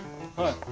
はい。